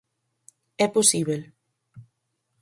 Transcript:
É posíbel.